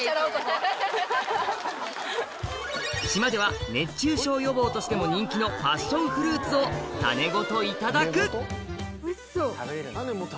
島では熱中症予防としても人気のパッションフルーツを種ごといただくおいしそう。